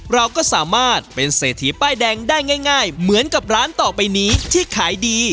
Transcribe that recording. เราก็สามารถเป็นเศรษฐีป้ายแดงได้ง่ายเหมือนกับร้านต่อไปนี้ที่ขายดี